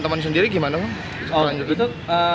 teman sendiri gimana